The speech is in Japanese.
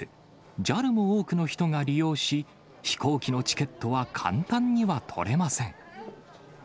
ＪＡＬも多くの人が利用し、飛行機のチケットは簡単には取れません。